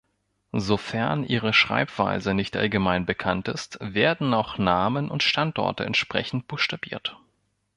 Sofern ihre Schreibweise nicht allgemein bekannt ist, werden auch Namen und Standorte entsprechend buchstabiert.